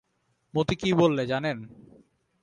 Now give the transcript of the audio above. মতি কী বললে জানেন?